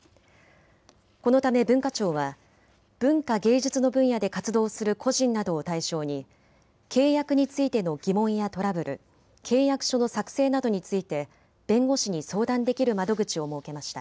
このため文化庁は文化・芸術の分野で活動する個人などを対象に契約についての疑問やトラブル、契約書の作成などについて弁護士に相談できる窓口を設けました。